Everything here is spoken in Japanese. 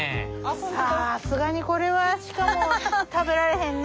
さすがにこれは鹿も食べられへんな。